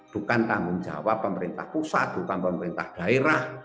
bukan tanggung jawab pemerintah pusat bukan pemerintah daerah